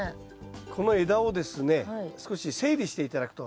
この枝をですね少し整理して頂くと。